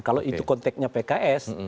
kalau itu konteknya pks